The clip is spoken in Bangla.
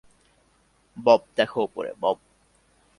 বব, দেখো উপরে, বব!